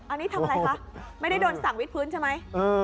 อันนี้ทำอะไรคะไม่ได้โดนสั่งวิดพื้นใช่ไหม